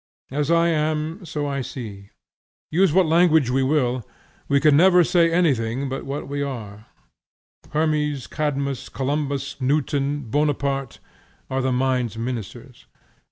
As I am, so I see; use what language we will, we can never say anything but what we are; Hermes, Cadmus, Columbus, Newton, Bonaparte, are the mind's ministers.